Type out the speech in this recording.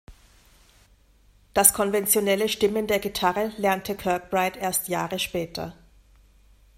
Das konventionelle Stimmen der Gitarre lernte Kirkbride erst Jahre später.